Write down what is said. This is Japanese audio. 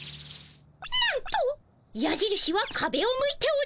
なんとやじるしはかべを向いております。